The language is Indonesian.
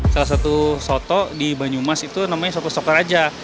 salah satu soto di banyumas itu namanya soto sokaraja